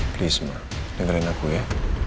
please ma dengerin aku ya